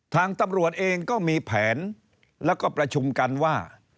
ทางตำรวจเองก็มีแผนแล้วก็ประชุมกันว่า